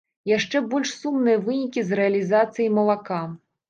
Яшчэ больш сумныя вынікі з рэалізацыяй малака.